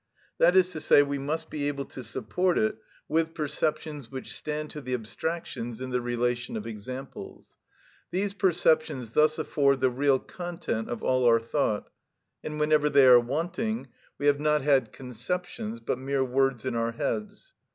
That is to say, we must be able to support it with perceptions which stand to the abstractions in the relation of examples. These perceptions thus afford the real content of all our thought, and whenever they are wanting we have not had conceptions but mere words in our heads.